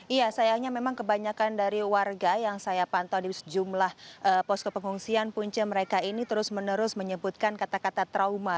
iya sayangnya memang kebanyakan dari warga yang saya pantau di sejumlah posko pengungsian punca mereka ini terus menerus menyebutkan kata kata trauma